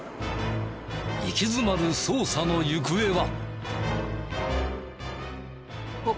息詰まる捜査の行方は。